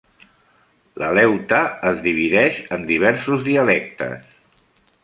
L'aleuta es divideix en diversos dialectes.